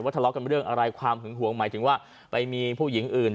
ทะเลาะกันเรื่องอะไรความหึงหวงหมายถึงว่าไปมีผู้หญิงอื่น